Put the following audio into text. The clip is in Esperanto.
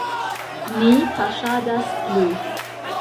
Ni paŝadas plu.